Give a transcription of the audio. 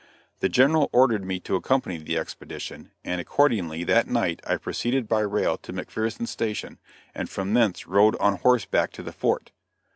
The General ordered me to accompany the expedition, and accordingly that night I proceeded by rail to McPherson Station, and from thence rode on horseback to the fort.